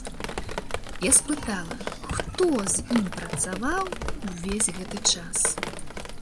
Я спытала, хто з ім працаваў увесь гэты час.